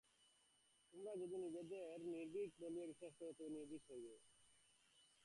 তোমরা যদি নিজেদের নির্ভীক বলিয়া বিশ্বাস কর, তবে নির্ভীক হইবে।